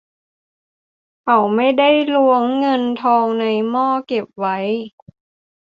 เขาไม่ได้ล้วงเงินทองในหม้อเก็บไว้